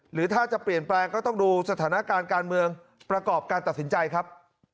หรือถ้าจะเปลี่ยนแปลงก็ต้องดูสถานการณ์การเมืองประกอบการตัดสินใจครับ